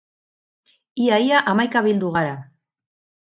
Ia ia hamaika bildu gara!